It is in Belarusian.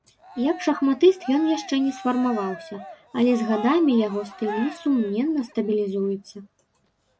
Як шахматыст ён яшчэ не сфармаваўся, але з гадамі яго стыль, несумненна, стабілізуецца.